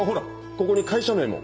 ここに会社名も。